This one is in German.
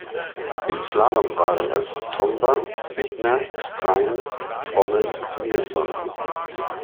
Im Slalom waren es Tomba, Bittner, Gstrein, Frommelt, Nilsson.